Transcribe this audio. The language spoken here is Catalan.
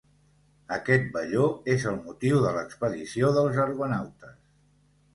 Aquest velló és el motiu de l'expedició dels argonautes.